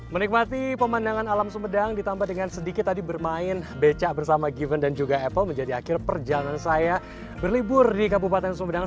menikmati pemandangan alam sumedang ditambah dengan sedikit tadi bermain beca bersama given dan juga apple menjadi akhir perjalanan saya berlibur di kabupaten sumedang